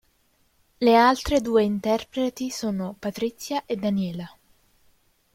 Le altre due interpreti sono Patrizia e Daniela.